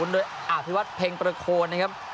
โดยอภิวัตเพ็งประโคนนะครับ